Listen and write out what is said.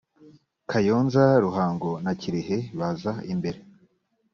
kayonza, ruhango na kirehe baza imbere